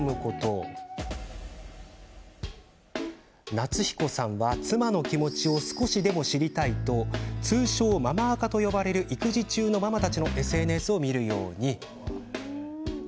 なつひこさんは妻の気持ちを少しでも知りたいと通称ママ垢と呼ばれる育児中のママたちのＳＮＳを見るように。